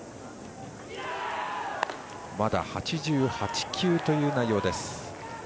まだ８８球という内容です。